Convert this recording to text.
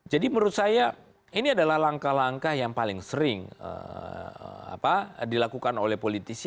jadi menurut saya ini adalah langkah langkah yang paling sering dilakukan oleh politis